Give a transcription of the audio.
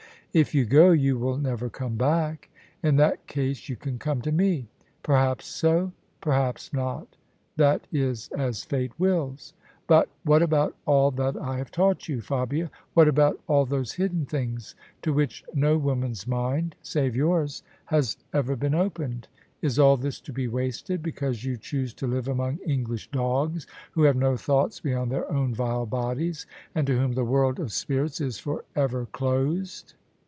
" If you go, you will never come back." " In that case you can come to me." " Perhaps so : perhaps not. That is as Fate wills. But what about all that I have taught you, Fabia? What about all those hidden things to which no woman's mind save yours has ever been opened ? Is all this to be wasted, because you choose to live among English dogs who have no thoughts beyond their own vile bodies, and to whom the world of spirits is for ever closed